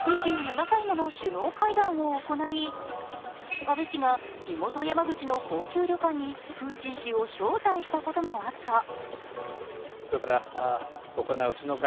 ２７回もの首脳会談を行い、安倍氏が地元・山口の高級旅館にプーチン氏を招待したこともあった。